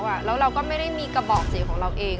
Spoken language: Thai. แล้วเราก็ไม่ได้มีกระบอกเสียงของเราเอง